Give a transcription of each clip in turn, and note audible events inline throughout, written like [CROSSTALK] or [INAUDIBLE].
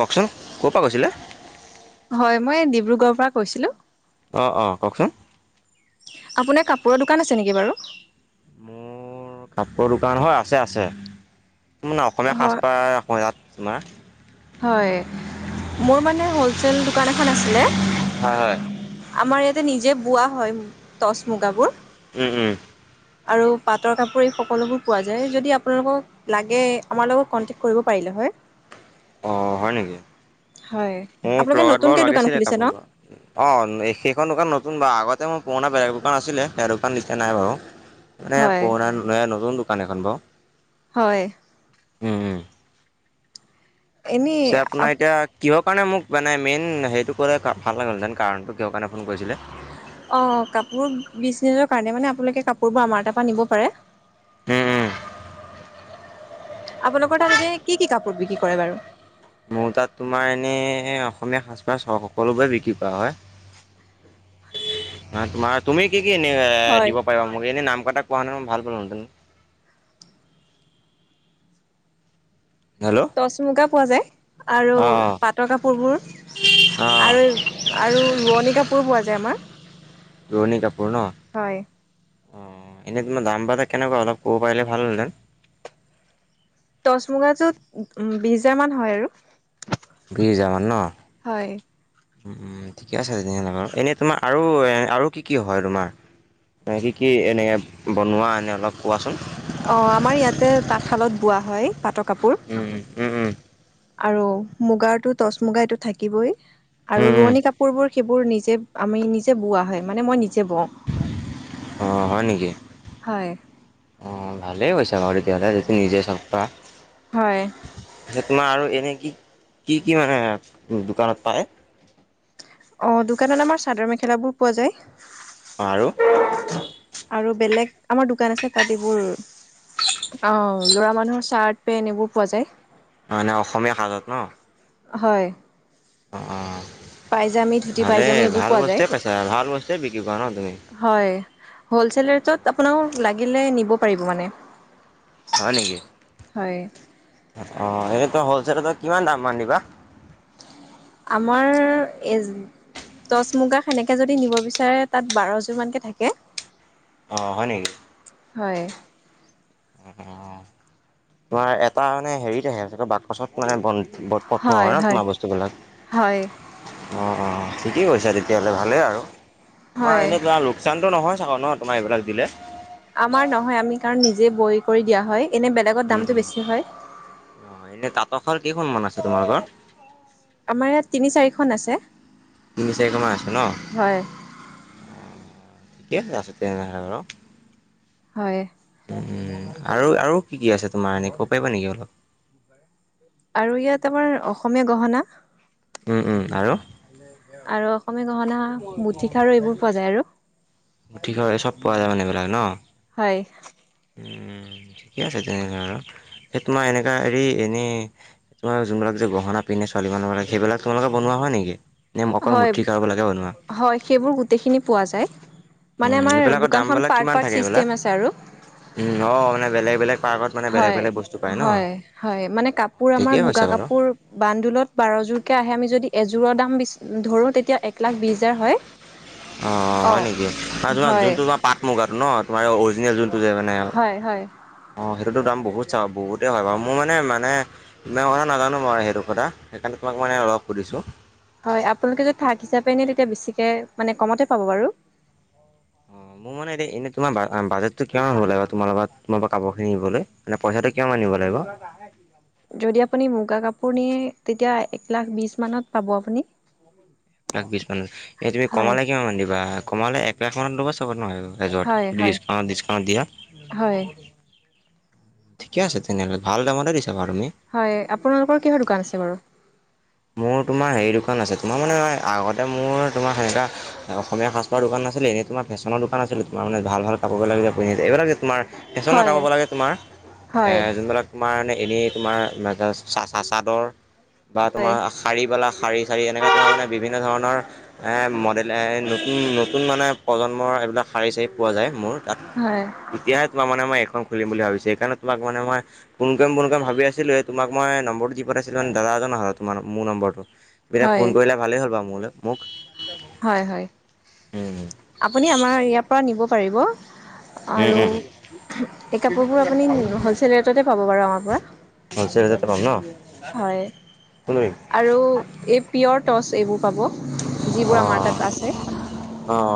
কওকচোন, ক'ৰ পৰা কৈছিলে? হয়, মই ডিব্ৰুগড়ৰ পৰা কৈছিলো। অ', অ', কওকচোন? আপোনাৰ কাপোৰৰ দোকান আছে নেকি বাৰু? অ', কাপোৰৰ দোকান হয় আছে আছে, তাত মানে অসমীয়া হয় সাজপাৰ ৰাখোঁ ইয়াত তোমাৰ হয়, মোৰ মানে হলচেল দোকান এখন আছিলে। হয়, হয়। আমাৰ ইয়াতে নিজে বোৱা হয়, টচ মুগাবোৰ। উম, উম। আৰু পাটৰ কাপোৰ এই সকলোবোৰ পোৱা যায়, যদি আপোনালোক লাগে, আমাৰ লগত কনটেক্ট কৰিব পাৰিলে হয়। অ', হয় নেকি, হয় মোক আপোনালোকে লগাত বাৰু নতুনকে দোকান লাগিছিলে খুলিছে কাপোৰ ন অ', সেইখন দোকান নতুন বাৰু, আগতে মোৰ পুৰণা বেলেগ দোকান আছিলে সেয়া দোকান এতিয়া নাই বাৰু। [INAUDIBLE] মানে পুৰণা, ন-নতুন দোকান এখন বাৰু। হয়। উম, উম। এনেই পিছে আপোনাৰ এতিয়া কিহৰ কাৰণে মোক মানে মেইন হেৰিটো ক'লে, ভাল লাগিন হেতেন কাৰণটো কিহৰ কাৰণে ফোন কৰিছিলে। অ', কাপোৰ বিজনেছৰ কাৰণে, মানে আপোনালোকে কাপোৰবোৰ আমাৰ এটাৰ পৰা নিব পাৰে। উম উম। আপোনালোকৰ তাত এতিয়া কি, কি কাপোৰ বিক্ৰী কৰে বাৰু? মোৰ তাত তোমাৰ এনেই, অসমীয়া সাজ পাৰ সকলোবোৰে বিক্ৰী কৰা হয়। তোমাৰ তুমি কি কি এনে হয় দিব পাৰিবা মোক এনে নাম কেইটা পোৱাহেতেন ভাল পালোহেঁতেন। হেল্ল' টচ মুগা পোৱা যায় আৰু অ পাটৰ অ কাপোৰবোৰ। আৰু আৰু ৰোৱনী কাপোৰো পোৱা যায় আমাৰ। ৰোৱনী কাপোৰ ন'? হয়। অ' এনেই তোমাৰ দাম বাজেট এটানেকুৱা অলপ ক'ব পাৰিল ভাল হ'লেহেতেন। টচ মুগাজোত বিছ হেজাৰ মান হয় আৰু। বিছ হেজাৰ মান ন'? হয় উম, ঠিকে আছে তেনিহা, এনেই তোমাৰ আৰু আৰু কি কি হয় তোমাৰ? কি কি এনে বনোৱা এনে অলপ কোৱাচোন। অ' আমাৰ ইয়াতে তাঁতশালত বোৱা হয় পাটৰ কাপোৰ। উম, উম, উম, উম। আৰু মুগাৰটো টচ মুগা এইটো থাকিবই। আৰু ৰোৱনী কাপোৰবোৰ সেইবোৰ নিজে আমি নিজে বোৱা হয় মানে মই নিজে বওঁ। অ' হয় নেকি? হয়। অ' ভালেই হৈছে বাৰু তেতিয়াহ'লে, যিহেতু নিজে চব হয় পাৰা। তোমাৰ আৰু এনে কি কি, কি মানে দোকানত পায়? অ' দোকানত আমাৰ চাদৰ মেখেলাবোৰ পোৱা যায়। অ' আৰু? আৰু বেলেগ আমাৰ দোকান আছে তাত এইবোৰ অ' ল'ৰা মানুহৰ চাৰ্ট, পেণ্ট এইবোৰ পোৱা যায়। মানে অসমীয়া সাজত ন'? হয়। অ' পাইজামী ধুতি ভালেই, পাইজামী এইবোৰ ভাল পোৱা যায়। বস্তুৱে পাইছা, ভাল বস্তুৱে বিক্ৰী কৰা ন' তুমি? হয়, হ'লচেল ৰেটত আপোনাক লাগিলে নিব পাৰিব মানে। হয় নেকি? হয়। অ' এইটো হ'লচেলত কিমান দাম মান দিবা? আমাৰ এজ টচ মুগা সেনেকে যদি নিব বিচাৰে তাত বাৰযোৰ মানকে থাকে। অ' হয় নেকি? হয়। তোমাৰ এটা মানে হেৰিত আহে, বাকচত মানে বট পঠোৱা হয় ন' তোমাৰ বস্তুবিলাক? হয় অ', অ' ঠিকে কৰিছা তেতিয়াহ'লে ভালেই আৰু। হয় তোমাত এনে তোমাৰ লোক চানটো নহয় চক নয় তোমাৰ এইবিলাক দিলে। আমাৰ নহয় আমি কাৰণ নিজে বই কৰি দিয়া হয়, এনে বেলেগত উম দামটো উম বেছি হয়। অ' এনে তাতশাল কেইখন মান আছে তোমালোকৰ? আমাৰ ইয়াত তিনি চাৰিখন আছে। তিনি চাৰিখনমান আছে ন হয়। ঠিকে আছে তেনেহ'লে আৰু। হয়। উম, আৰু আৰু কি কি আছে তোমাৰ এনে ক'ব পাৰিবা নেকি অলপ? আৰু ইয়াত আমাৰ অসমীয়া গহনা। উ, উ, আৰু? আৰু অসমীয়া গহনা, মুঠিখাৰো এইবোৰ পোৱা যায় আৰু। মুঠিখা, চব পোৱা যায় মানে এইবিলাক ন'? হয়। উম [INAUDIBLE] ঠিকে আছে তেনেহলে আৰু এ‌ তোমাৰ এনেকা হেৰি এনেই তোমাৰ জোৰোণত যে গহনা পিন্ধে ছোৱালীমানুহ বিলাকে সেইবিলাক তোমালোকে বনোৱা হয় নেকি? নে অকল হয় মুঠি খাৰুবিলাকে বনোৱা? হয় সেইবোৰ গোটেইখিনি পোৱা যায়, মানে উম আমাৰ এইবিলাকৰ দোকানখন দামবিলাক কিমান পাৰ্ট-পাৰ্ট থাকে এইবিলাক ছিষ্টেম আছে আৰু। উম', অহ' মানে বেলেগ-বেলেগ হয়, হয়, হয়। মানে কাপোৰ আমাৰ ঠিকেই হৈছে মুগা বাৰু কাপোৰ বান্দুলত বাৰযোৰকৈ আহে, আমি যদি এযোৰৰ দাম ধৰোঁ তেতিয়া এক লাখ বিছ হাজাৰ হয়। [UNINTELLIGIBLE] অহ, অ হয় নেকি? ত' তোমাৰ হয় যোনটো তোমাৰ পাট মুগাটো ন' তোমাৰ অৰিজিনেল যোনটো যে মানে হয়, হয়। অহ, সেইটোতো দাম বহুত চাগে বহুতেই হয় বাৰু। মোৰ মানে-মানে [UNINTELLIGIBLE] নাজানো বাৰু সেইটো কথা সেইকাৰণে তোমাক মানে অলপ সুধিছোঁ। হয় আপোনালোকে যদি থাক হিচাপে নিয়ে তেতিয়া বেছিকৈ মানে কমতে পাব বাৰু। অ', মোৰ মানে এ-এনেই তোমাৰ বাজতটো কিমান হ'ব লাগিব তোমাৰ পৰা কাপোৰ কিনিবলৈ? মানে পইচাটো কিমান মান নিব লাগিব? যদি আপুনি মুগা কাপোৰ নিয়ে তেতিয়া এক লাখ বিছ মানত পাব আপুনি। এক লাখ বিছ মানত, এই তুমি হয় কমালে কিমান মান দিবা কমালে এক লাখ মানত দিবা চাগৈ নহয়। এজোৰত হয় হয় ডিছকাউণ্ট-ডিছকাউণ্ট দিয়া। হয়। ঠিকে আছে তেনেহ'লে, ভাল দামৰতে দিছা বাৰু তুমি। হয়, আপোনালোকৰ কিহৰ দোকান আছে বাৰু? মোৰ তোমাৰ হেৰি দোকান আছে, তোমাৰ মানে আগতে মোৰ তোমাৰ সেনেকা অসমীয়া সাজ-পাৰৰ দোকান নাছিলে, এনেই তোমাৰ ফেশ্বনৰ দোকান আছিলে, তোমাৰ মানে ভাল-ভাল কাপোৰবিলাক যে পিন্ধিছে। এইবিলাক যে তোমাৰ ফেশ্বন হয় কাপোৰ লাগে তোমাৰ, এ হয় যোনবিলাক তোমাৰানে এনেই তোমাৰ মেখেলা চা-চা-চাদৰ। হয় তোমাৰ শাৰীবিলাক শাৰী-শাৰী এনেকা তোমাৰ মানে বিভিন্ন ধৰণৰ এ মডেল নতুন-নতুন মানে প্ৰজন্মৰ এইবিলাক শাৰী-চাৰী পোৱা যায় মোৰ তাত। হয়। তেতিয়াহে তোমাৰা মানে মই এখন খুলিম বুলি ভাবিছোঁ। সেইকাৰণে তোমাক মানে মই ফোনকৰিম ফোনকৰিম ভাবি আছিলোঁয়ে, তোমাক মই নম্বৰটো দি পাইছিলোঁ মোৰ দাদা এজনৰ হাতত। তোমাৰ মোৰ নম্বৰটো। তুমি এতিয়া হয় ফোন কৰিলা ভালেই হ'ল বাৰু মোলৈ মোক। হয়, হয়। আপুনি আমাৰ ইয়াৰ পৰা নিব পাৰিবা। আৰু এই কাপোৰবোৰ আপুনি হ'লচেল ৰেটতে পাব বাৰু আমাৰ পৰা। হ'লচেল ৰেটতে পাম ন'? হয়। আৰু এই পিয়ৰ টৰ্চ এইবোৰ পাব যিবোৰ আমাৰ তাত আছে। অহ,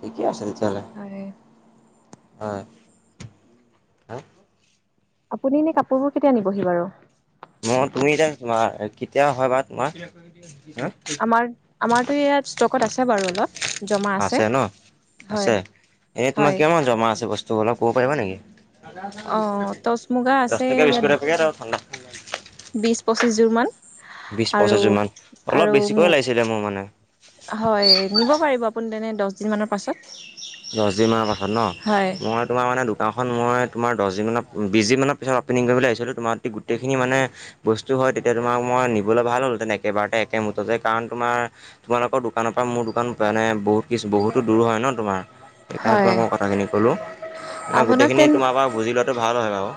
ঠিকে আছে তেতিয়াহ'লে। হয়। হয়। আপুনি এনেই কাপোৰবোৰ কেতিয়া নিবহি বাৰু। মই তুমি এতিয়া তোমাৰ কেতিয়া হয় বা তোমাৰ। আমাৰ-আমাৰতো ইয়াত ষ্টকত আছে বাৰু অলপ। আছে ন' হয় আছে। এনেই তোমাৰ হয় কিমান জমা আছে বস্তুবিলাক ক'ব পাৰিবা নেকি? অ [UNINTELLIGIBLE] টচ মুগা দহ আছে টকীয়া ইয়াত বিসকুট এক পেকেদ আৰু ঠাণ্ডা। বিশ পঁচিশজোৰ মান। বিশ আৰু পঁচাজোৰমান, অলপ আৰু বেছিকৈ মোক লাগিছিলে মোৰ মানে। হয়, নিব পাৰিব আপুনি তেনেই দহদিন মানৰ পাছত। দহদিনমানৰ কাথাত হয় ন' মই তোমাৰ মানে দোকানখন মই তোমাৰ দহ দিনমানৰ, বিশদিন মানৰ পিছত অপেনিং কৰিবলৈ আহিছিলোঁ তোমাৰ অহ গোটেইখিনি মানে বস্তু হয় তেতিয়া তোমাক মই নিবলৈ ভাল হ'ল হৈ একেবাৰতে একেমটতে কাৰণ তোমাৰ তোমালোকৰ দোকানৰ পৰা মোৰ দোকান মানে বহুত কিছু বহুতো দূৰ হয় ন তোমাৰ। সেইকাৰণে হয় তোমাক মই কথাখিনি ক'লো, মানে আপোনাক গোটেইখিনি তেন তোমাৰ পৰা বুজি লোৱাটো ভাল হয় বাৰু।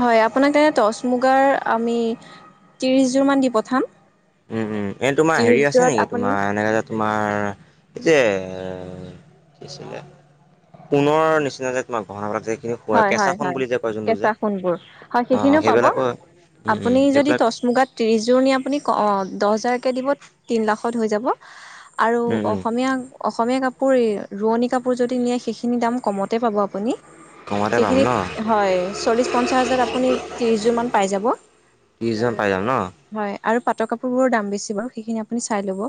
হয় আপোনাক এনে টচ মুগাৰ আমি ত্ৰিশযোৰ মান দি পঠাম। উম, উম তোমাৰ ত্ৰিশ হেৰি আছে যোৰত নেকি, আপুনি তোমাৰ এনেকৈ যে তোমাৰ এই যে [UNINTELLIGIBLE] সোণৰ নিচিনা যে তোমাক গহণা [UNINTELLIGIBLE] হয়, হয়, হয় কেঁচা সোণবোৰ হয় অ', সেইখিনিও পাব। সেইবিলাকো উম, উম, আপুনি যদি সেইবিলাক টচ মুগাত ত্ৰিছযোৰ নিয়ে, আপুনি দহ হাজাৰকৈ দিব তিন লাখত হৈ যাব। আৰু উম, উম, অসমীয়া অসমীয়া কাপোৰ এই ৰোৱনী কাপোৰ যদি নিয়ে সেইখিনি দাম কমতে পাব আপুনি। কমতে পাম ন সেইখিনিত, হয় চল্লিশ পঞ্চাশ হাজাৰত আপুনি ত্ৰিশ যোৰ মান পাই যাব। ত্ৰিশ যোৰ পাই যাম ন। হয় আৰু পাটৰ কাপোৰবোৰৰ দাম বেছি বাৰু সেইখিনি আপুনি চাই ল'ব।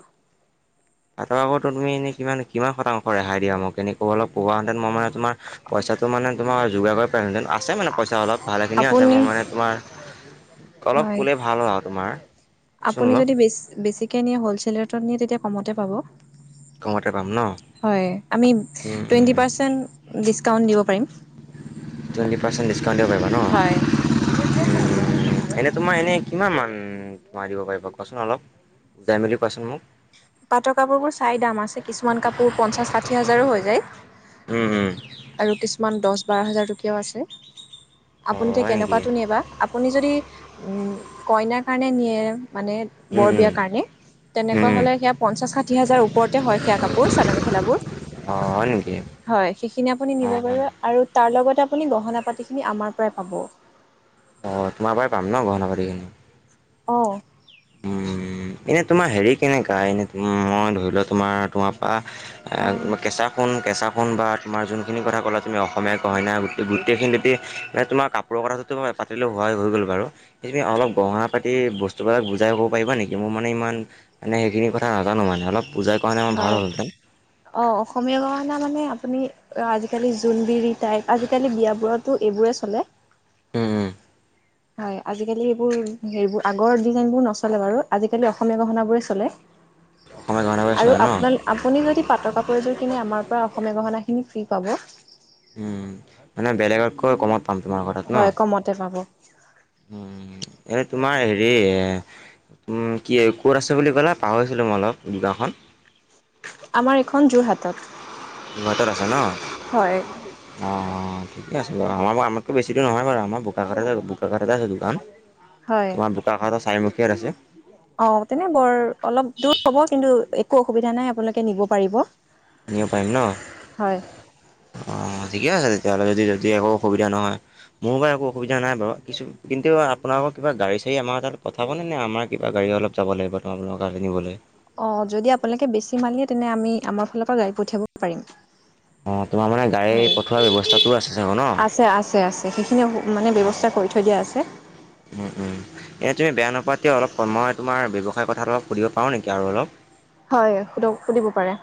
পাটৰ কাপোৰটো তুমি এনেই কিমান কিমান শতাংশ ৰেহাই দিয়া মোক এনে অলপ কোৱা হেতেন মই মানে তোমাৰ পইচাটো মানে তোমাৰ যোগাৰ কৰিব পাৰিলোহেঁতেন আছে মানে পইচা অলপ ভালেখিনিয়ে আছে আপুনি মই মানে তোমাৰ অলপ হয় ক'লে ভাল হয় আৰু তোমাৰ। চোন আপুনি অলপ যদি বেছি বেছি নিয়ে হ'লচেলত নিয়ে তেতিয়া কমতে পাব। কমতে পাম ন? হয় আমি উম, টুৱেন্টি উম, পাৰ্চেন্ট ডিচকাউণ্ট দিব পাৰিম। টুৱেণ্টি পাৰ্চেণ্ট ডিচকাউণ্ট দিব পাৰিব ন। [INAUDIBLE] এনে তোমাৰ এনে কিমান মান কমাই দিব পাৰিবা কোৱাচোন অলপ বুজাই মেলি কোৱাচোন মোক। পাটৰ কাপোৰবোৰ চাই দাম আছে কিছুমান কাপোৰ পঞ্চাশ ষাঠি হাজাৰো হৈ যায়। উম, উম। আৰু কিছুমান দহ বাৰ হাজাৰ টকীয়াও আছে। অ আপুনিতে হয় নেকি কেনেকুৱাটো নিয়ে বা আপুনি যদি কইনাৰ কাৰণে নিয়ে মানে উম বৰ উম বিয়াৰ কাৰণে উম তেনেকুৱা হ'লে উম সেয়া পঞ্চাশ ষাঠি হাজাৰ ওপৰতে হয় সেয়া কাপোৰ চাদৰ মেখেলাবোৰ। অ হয় নেকি হয় সেইখিনি আপুনি অ নিব অ পাৰিব আৰু তাৰ লগতে আপুনি গহনা পাতি খিনি আমাৰ পৰাই পাব। অ' তোমাৰ পৰাই পাম ন গহনা পাতিখিনি। অ'। উম এনে তোমাৰ হেৰি কেনেকা, এনে মই ধৰি লোৱা তোমাৰ তোমাৰ পৰা অ' কেঁচা সোণ, কেঁচা সোণ বা তোমাৰ যোনখিনি কথা ক'লে তুমি অসমীয়া গহণা বুলি গোটেইখিনিতে তোমাৰ কাপ কাপোৰৰ কথাটোতো পাতিলেওঁ হোৱাই হৈ গ'ল, বাৰু এতিয়া তুমি অলপ গহণা পাতি বস্তুবিলাক বুজাই কৰিব পাৰিবা নেকি? মোৰ মানে ইমান মান সেইখিনি কথা নাজানো মানে, অলপ বুজাই কোৱা হ'লে ভাল হয়, হ'লহেঁতেন অ' অসমীয়া গহনা মানে আপুনি আজিকালি জোনবিৰি টাইপ আজিকালি বিয়াবোৰতো এইবোৰেই চলে। উম, উম। হয়, আজিকালি সেইবোৰ হেৰিবোৰ আগৰ ডিজাইনবোৰ নচলে বাৰু আজিকালি অসমীয়া গহনাবোৰে চলে। অসমীয়া গহনা বুলি আৰু চলে ন আপোনালে আপুনি যদি পাটৰ কাপোৰ এযোৰ কিনে, আমাৰ পৰা অসমীয়া গহনাখিনি ফ্ৰী পাব। উম, মানে বেলেগতকৈ কমত পাম তোমালোকৰ তাত ন? হয় কমতে পাব উম। উম, এনে তোমাৰ হেৰি কি ক'ত আছে বুলি ক'লে পাহৰিছিলোঁ মই অলপ দোকানখন? আমাৰ এইখন যোৰহাটত। যোৰহাটত আছে ন? হয় অ' ঠিকে আছে বাৰু আমাৰ আমাতকৈ বেছি দূৰ নহয় বাৰু আমাৰ বোকাখাত বোকাখাততে আছে দোকান। হয়। তোমাৰ বোকাখাতৰ চাইমুখিয়াত আছে। অ, তেনে বৰ অলপ দূৰ হব, কিন্তু একো অসুবিধা নাই আপোনালোকে নিব পাৰিব। নিব পাৰিম ন' হয় অ, ঠিকে আছে তেতিয়াহ'লে যদি-যদি একো অসুবিধা নহয়। মোৰ বাৰু একো অসুবিধা নাই বাৰু, কিছু কিন্তু আপোনালোক কিবা গাড়ী-চাড়ী আমাৰতাত পথাবনে নে? আমাৰ কি গাড়ী অলপ যাব লাগিব তেওঁ আপোনালোকৰ গাড়ী নিবলে। অ, যদি আপোনালোকে বেছি মালিয়ে তেন্তে আমি আমাৰ ফালৰ পৰা গাড়ী পঠিয়াব পাৰিম। অঁ, তোমাৰ মানে গাড়ী পঠোৱাৰ ব্যৱস্থাটোও আছে চাগে ন? আছে-আছে-আছে। সেইখিনি মানে ব্যৱস্থা কৰি থৈ দিয়া আছে। উম, উম, এনে তুমি বেয়া নাপাৱা তেতিয়া অলপ মই তোমাৰ ব্যৱসায়ৰ কথাটো অলপ সুধিব পাৰোঁ নেকি আৰু অলপ? হয়, সুধক সুধিব পাৰে।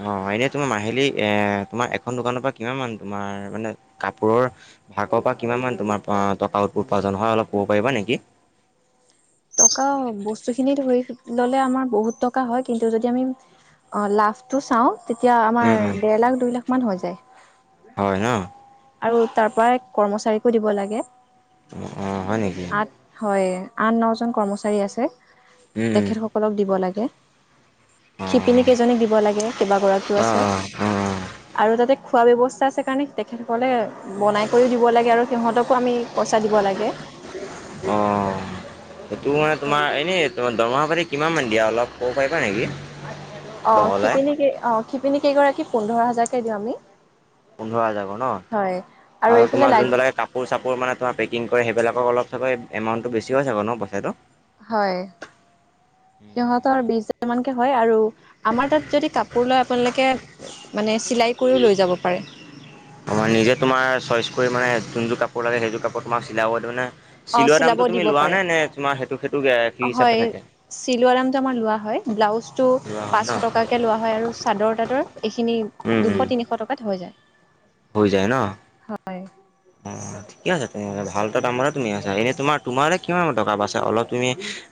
অ, এনেই তোমাৰ মাহিলী এ তোমাৰ এখন দোকানৰ পৰা কিমান মান তোমাৰ মানে কাপোৰৰ, ভাগৰ পৰা কিমান মান তোমাৰ টকা উপাৰ্জন হয়, অলপ ক'ব পাৰিবা নেকি? টকা বস্তুখিনি ধৰি ললে আমাৰ বহুত টকা হয়, কিন্তু যদি আমি অ, লাভটো চাওঁ তেতিয়া উম আমাৰ উম দেৰ লাখ, দুই লাখ মান হৈ যায়। হয় ন? আৰু তাৰ পৰা কৰ্মচাৰীকো দিব লাগে। অ অ হয় নেকি আগ হয়, আন ন জন কৰ্মচাৰী আছে। উম তেখেত সকল সকলক দিব লাগে। উম অ শিপিনী কেইজনীক দিব লাগে, কেইবাগৰাকীও অ আছে। অ অ আৰু তাতে খোৱা ব্যৱস্থা আছে কাৰণে তেখেত, ক'লে বনাই কৰিও দিব লাগে আৰু সিহঁতকো আমি পইচা দিব লাগে। অ, সেইটো মানে তোমাৰ এনেই তোমাৰ দৰমহা পাতি কিমান মান দিয়ে? অলপ ক'ব পাৰিবা নেকি? অ, বহলাই? শিপিনী কেই অ, শিপিনী কেইগৰাকীক পোন্ধৰ হাজাৰকে দিওঁ আমি। পোন্ধৰ হাজাৰ কে ন' হয় আৰু এইফালে তোমাৰ লাগ যোনবিলাকে কাপোৰ-চাপোৰ মানে ত পেকিং কৰে সেইবিলাকক অলপ চব এমাউণ্টটো বেছি হৈ যাব ন' পইচাটো? হয়, সিহঁতৰ বিশ হাজাৰ মানকে হয় আৰু। আমাৰ তাত যদি কাপোৰ লয় আপোনালোকে মানে চিলাই কৰিও লৈ যাব পাৰে। আমাৰ নিজে তোমাৰ চইচ কৰি মানে যোনযোৰ কাপোৰ লাগে, সেইযোৰ কাপোৰ তোমাক চিলাব মানে। অ চিলোৱা চিলাব দামটো তুমি দিব লোৱা পাৰে নে-নে তোমাৰ সেইটো-সেইটো ফ্ৰী হয় হিচাপে থাকে? চিলোৱা দামটো আমাৰ লোৱা হয়। ব্লাউজটো লোৱা হয় ন পাঁচশ টকা, লোৱা হয় আৰু চাদৰ-তাদৰ এইখিনি উম উম দুশ-তিনিশ টকাত হৈ যায়। হৈ যায় ন? হয়। উম-উম, ঠিকে আছে তুমি ভালটা দামৰে তুমি আছা এনে তোমাৰ তোমাৰ কিমান মান টকা বাছে? অলপ তুমি,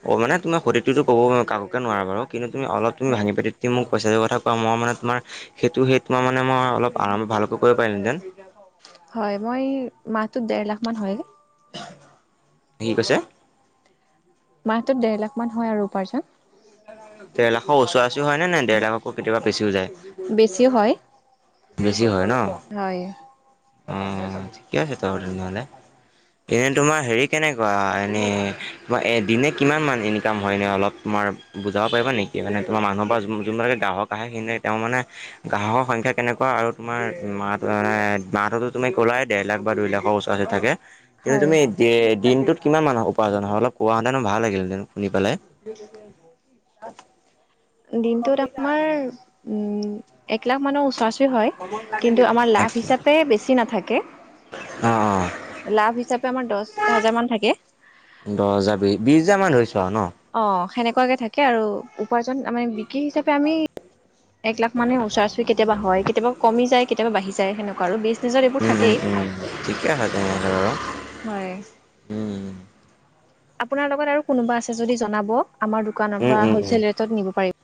অ, মানে তুমি সতটো ক'ব কাকোকে ৱাৰু কিন্তু অলপ তুমি হয় ভাঙি পাতি দিম মোক পইচাটো কথা কোৱা মই মানে তোমাৰ সেইটো সেই তোমাৰ মানে মই অলপ আৰাম ভালকৈ কৰিব পাৰিলোঁহেতেন? হয়, মই মাহটোত দেৰ লাখ মান হয়। কি কৈছে? মাহটোত ডেৰ লাখ মান হয় আৰু উপাৰ্জন। দেৰ লাখৰ ওচৰা-ওচৰি হয় নে নাই? দেৰ লাখকৈ কেতিয়াবা বেচিও বেছিও যায়। হয় বেছি হয় ন। হয়। অ, ঠিকে আছে ত নহ'লে। এনেই তোমাৰ হেৰি কেনেকুৱা এনেই তোমাৰ এ দিনে কিমান মান ইনকাম হয় এনেই অলপ। তোমাৰ বুজাব পাৰিব নেকি মানে তোমাৰ মানুহৰ পৰা যোনবিলাকে গ্ৰাহক আহে সিদিনা তেওঁ মানে। গ্ৰাহকৰ সংখ্যা কেনেকুৱা আৰু তোমাৰ মাহ মাহটোতো তুমি কলাই দেৰ লাখ বা দুই লাখৰ ওচৰত। তাৰ পিছত থাকে। কিন্তু হয় তুমি দিনটোত কিমান মানুহ উপাৰ্জন হয় অলপ কোৱাহলেটো ভাল লাগিলে শুনি পালে। [INAUDIBLE] [INAUDIBLE] দিনটোত আমাৰ উম, এক লাখ মানৰ ওচৰা ওচ ৰি হয়, কিন্তু আমাৰ এক লাভ লাখ হিচাপে বেছি নাথাকে। অ', অ', লাভ হিচাপে আমাৰ দহ, পাঁচ হাজাৰ মান থাকে। দহ হেজাৰ, বি-বিশছ হোজাৰমানান ধৰিছোঁ আৰু ন! অ', সেনেকুৱাকে থাকে আৰু উপাৰ্জন মানে বিক্ৰী হিচাপে আমি এক লাখ মানে ওচৰা ওচৰি কেতিয়াবা হয়, কেতিয়াবা কমি যায় কেতিয়াবা বাঢ়ি যায় সেনেকুৱা আৰু বিজনেছত এইবোৰ উম, উম, থাকেই। উম, ঠিকে [UNINTELLIGIBLE] হয়। উম, আপোনাৰ লগত আৰু কোনোবা আছে যদি জনাব, আমাৰ দোকানৰ উম, পৰা উম, উম। হ'লচেল ৰেটত নিব পাৰিব।